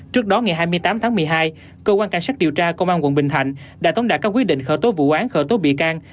trước đó ngày hai mươi tám tháng một mươi hai cơ quan cảnh sát điều tra công an quận bình thạnh đã tống đạt các quyết định khởi tố vụ án khởi tố bị can